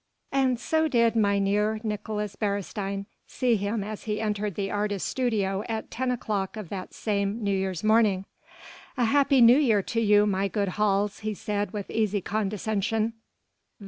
And so did Mynheer Nicolaes Beresteyn see him as he entered the artist's studio at ten o'clock of that same New Year's morning. "A happy New Year to you, my good Hals," he said with easy condescension.